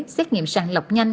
xét nghiệm sàn lọc nhanh